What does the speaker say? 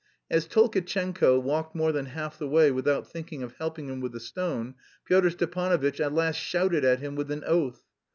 As Tolkatchenko walked more than half the way without thinking of helping him with the stone, Pyotr Stepanovitch at last shouted at him with an oath.